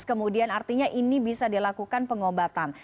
kemudian artinya ini bisa dilakukan pengobatan